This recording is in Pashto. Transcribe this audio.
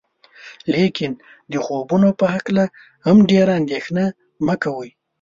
لیکن د خوبونو په هکله هم ډیره اندیښنه مه کوئ.